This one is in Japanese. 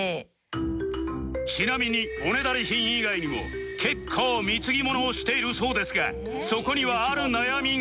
ちなみにおねだり品以外にも結構貢ぎ物をしているそうですがそこにはある悩みが